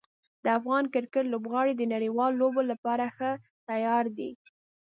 د افغان کرکټ لوبغاړي د نړیوالو لوبو لپاره ښه تیار دي.